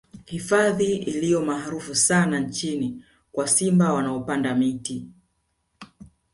Hifadhi iliyo maarufu sana nchini kwa simba wanaopanda juu ya miti